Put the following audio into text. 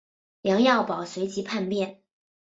梁耀宝随即叛变。